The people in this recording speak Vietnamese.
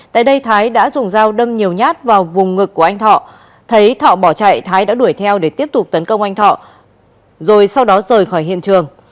tại đây thái đã dùng dao đâm nhiều nhát vào vùng ngực của anh thọ thấy thọ bỏ chạy thái đã đuổi theo để tiếp tục tấn công anh thọ rồi sau đó rời khỏi hiện trường